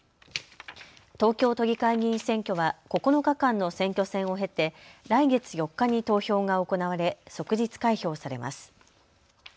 東京都議会議員選挙は９日間の選挙戦を経て来月４日に投票が行われ、即日開票されます。